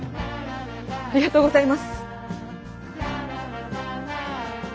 ありがとうございます。